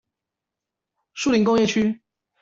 樹林工業區